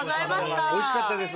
おいしかったです。